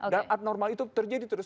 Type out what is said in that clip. dan abnormal itu terjadi terus